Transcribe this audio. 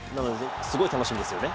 すごい楽しみですよね。